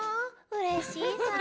うれしいさ。